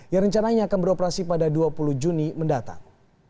yang rencananya akan beroperasi pada dua puluh juni mendatang